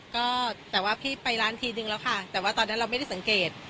ก็แต่ว่าพี่ไปร้านทีนึงแล้วค่ะแต่ว่าตอนนั้นเราไม่ได้สังเกต